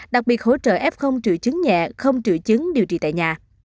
đặc biệt hỗ trợ ép không trữ chứng nhẹ không trữ chứng điều trị tại nhà